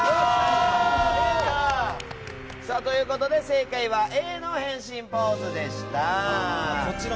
正解はＡの変身ポーズでした。